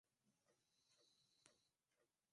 kuwa mzigo kwa kuzaa punguani (zezevu)